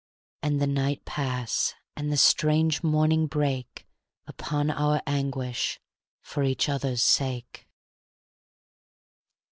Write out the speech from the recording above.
And the night pass, and the strange morning break Upon our anguish for each other's sake!